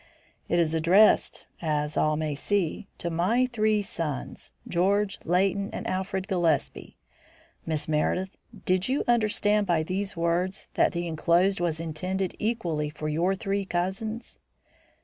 "It is addressed, as all may see: To my three sons, George, Leighton, and Alfred Gillespie. Miss Meredith, did you understand by these words that the enclosed was intended equally for your three cousins?"